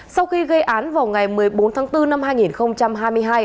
sau khi gây án vào ngày một mươi bốn tháng bốn năm hai nghìn hai mươi hai